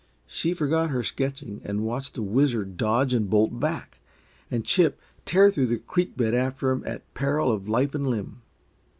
She forgot her sketching and watched Whizzer dodge and bolt back, and Chip tear through the creek bed after him at peril of life and limb.